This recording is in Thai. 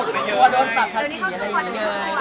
ว่าโดนปรับภักดิ์อย่างเงี้ย